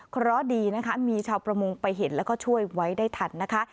เพราะดีนะคะมีชาวประมงไปเห็นแล้วก็ช่วยไว้ได้ทันนะคะ